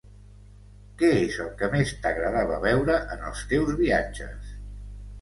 Què és el que més t'agradava veure en els teus viatges?